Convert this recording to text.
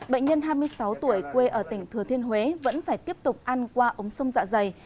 bệnh nhân hai mươi sáu tuổi quê ở tỉnh thừa thiên huế vẫn phải tiếp tục ăn qua ống sông dạ dày